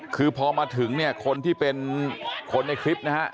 คือพอมาถึงเนี่ยคนที่เป็นคนในคลิปนะฮะ